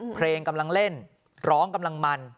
เพลงกำลังเล่นร้องกำลังมัน